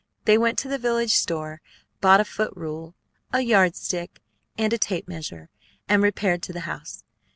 They went to the village store, bought a foot rule, a yardstick, and a tape measure, and repaired to the house.